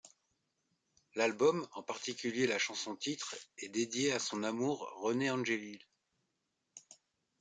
L'album, en particulier la chanson-titre, est dédié à son amour René Angélil.